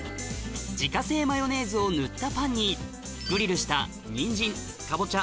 自家製マヨネーズを塗ったパンにグリルしたにんじんかぼちゃ